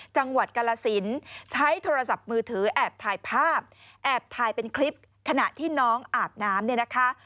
จังหวัดกาลสินใช้โทรศัพท์มือถือแอบถ่ายภาพแอบถ่ายเป็นคลิปขณะที่น้องอาบน้ำเนี่ยนะคะ